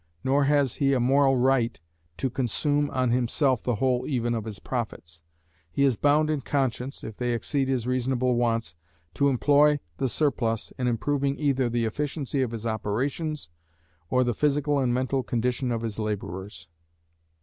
Nor has he a moral right to consume on himself the whole even of his profits. He is bound in conscience, if they exceed his reasonable wants, to employ the surplus in improving either the efficiency of his operations, or the physical and mental condition of his labourers.